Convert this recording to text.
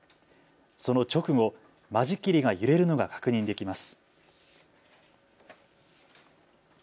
その直後、間仕切りが揺れるのが確認できます。